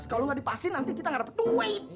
kalo gak dipastiin nanti kita gak dapet duit